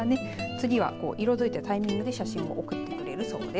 次は色づいたタイミングで写真を送ってくれるそうです。